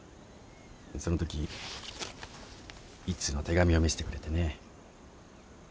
そのとき１通の手紙を見せてくれてね。